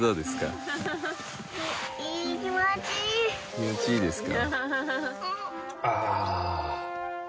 気持ちいいですか。